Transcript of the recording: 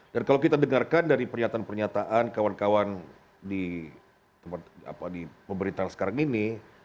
dan kalau kita dengarkan dari pernyataan pernyataan kawan kawan di pemerintahan sekarang ini